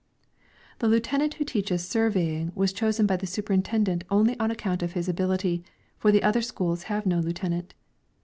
The lieutenant who teaches surveying was chosen by the superintendent only on account of his ability, for the other schools have no lieutenant.